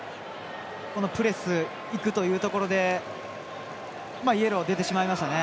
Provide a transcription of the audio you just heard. このプレスいくというところでイエロー、出てしまいましたね。